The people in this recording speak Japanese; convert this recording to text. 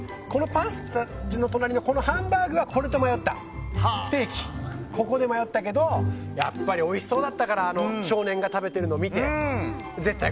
パスタの隣のハンバーグはステーキ、ここと迷ったけどやっぱりおいしそうだったから少年が食べてるのを見て。